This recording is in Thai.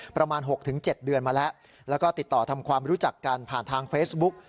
ประมาณ๖๗เดือนมาแล้วแล้วก็ติดต่อทำความรู้จักกันผ่านทางเฟซบุ๊ก